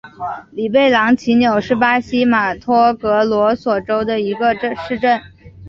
里贝朗齐纽是巴西马托格罗索州的一个市镇。